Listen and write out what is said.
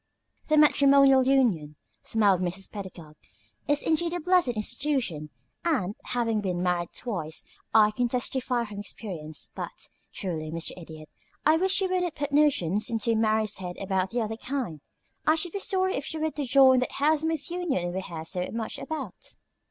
"The matrimonial union," smiled Mrs. Pedagog, "is indeed a blessed institution, and, having been married twice, I can testify from experience; but, truly, Mr. Idiot, I wish you wouldn't put notions into Mary's head about the other kind. I should be sorry if she were to join that housemaid's union we hear so much about.